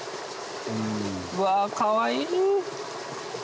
うわかわいい。